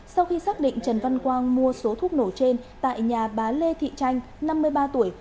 sau khi xác định trần văn quang mua số thuốc nổ trên tại nhà bà lê thị tranh năm mươi ba tuổi